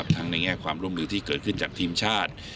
ในแง่ความร่วมมือที่เกิดขึ้นจากทีมชาติ